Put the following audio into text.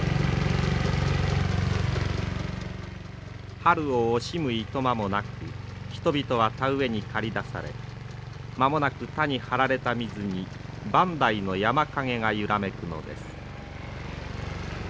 春を惜しむいとまもなく人々は田植えに駆り出され間もなく田に張られた水に磐梯の山影が揺らめくのです。